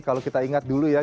kalau kita ingat dulu ya